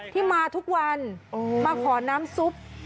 ที่มาทุกวันมาขอน้ำซุป